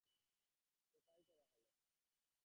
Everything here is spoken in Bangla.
তো তাই করা হলো।